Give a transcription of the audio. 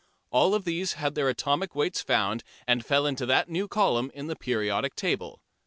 All of these had their atomic weights found, and fell into that new column in the periodic table.